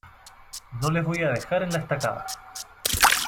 No les voy a dejar en la estacada".